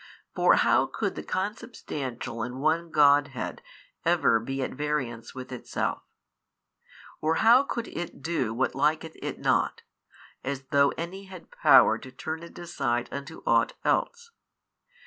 For how could the Consubstantial and One Godhead ever be at variance with Itself? or how could It do what liketh It not, as though any had power to turn it aside unto ought else?